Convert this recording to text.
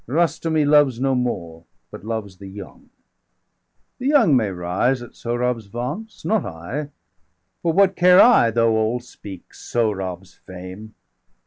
225 Rustum he loves no more, but loves the young The young may rise at Sohrab's vaunts, not I. For what care I, though all speak Sohrab's fame?